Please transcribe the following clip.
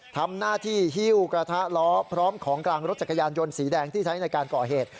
ทำหน้าที่ฮิ้วกระทะล้อพร้อมของกลางรถจักรยานยนต์สีแดงที่ใช้ในการก่อเหตุ